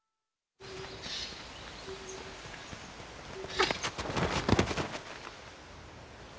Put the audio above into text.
あっ！